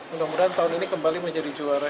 mudah mudahan tahun ini kembali menjadi juara